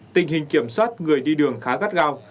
tình hình kiểm soát người đi đường khá gắt gao